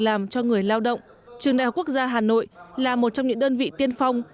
làm cho người lao động trường đại học quốc gia hà nội là một trong những đơn vị tiên phong